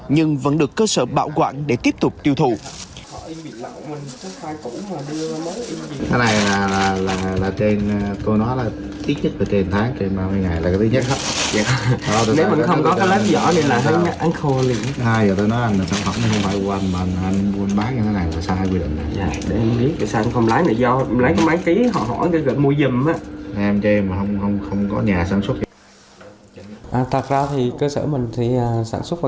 nhưng vẫn được cơ sở bảo quản để tiếp tục tiêu thụ